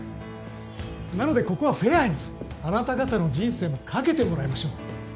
なのでここはフェアにあなた方の人生も賭けてもらいましょう。